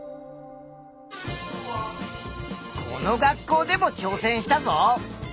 この学校でもちょうせんしたぞ！